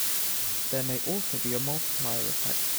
There may also be a multiplier effect.